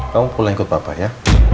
kau pulang ikut papa ya